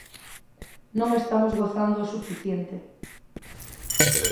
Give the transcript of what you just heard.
Non estamos gozando o suficiente.